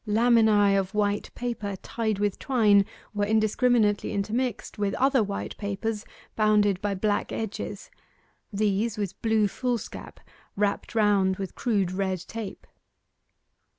Laminae of white paper tied with twine were indiscriminately intermixed with other white papers bounded by black edges these with blue foolscap wrapped round with crude red tape.